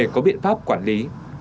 có biện pháp quản lý